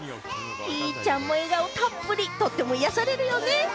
ひーちゃんも笑顔たっぷり、とっても癒されるよね。